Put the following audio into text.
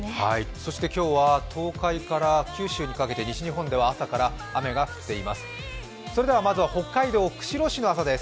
そして今日は東海から九州にかけて西日本では朝から雨が降っています。